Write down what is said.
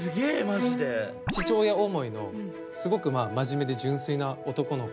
父親思いのすごく真面目で純粋な男の子。